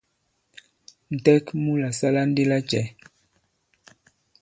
Ǹtɛk mu la sala ndi lacɛ ?